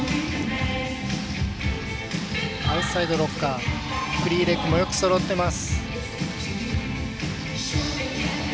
アウトサイドロッカーフリーレッグもよくそろってます。